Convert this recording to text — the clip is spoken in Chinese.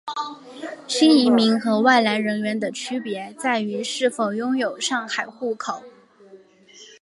新移民和外来人员的区别在于是否拥有上海户口。